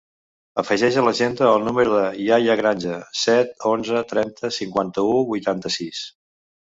Afegeix a l'agenda el número del Yahya Granja: set, onze, trenta, cinquanta-u, vuitanta-sis.